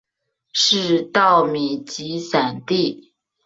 是稻米集散地。